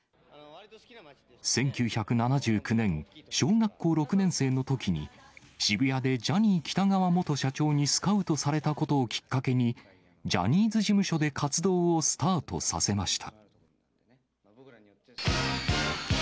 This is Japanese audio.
１９７９年、小学校６年生のときに、渋谷でジャニー喜多川元社長にスカウトされたことをきっかけに、ジャニーズ事務所で活動をスタートさせました。